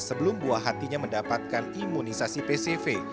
sebelum buah hatinya mendapatkan imunisasi pcv